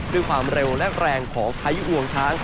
ด้วยความเร็วและแรงของพายุงวงช้าง